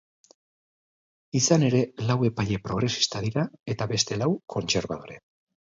Izan ere, lau epaile progresista dira eta beste lau kontserbadore.